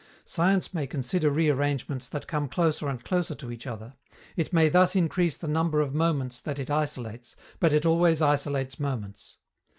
Science may consider rearrangements that come closer and closer to each other; it may thus increase the number of moments that it isolates, but it always isolates moments.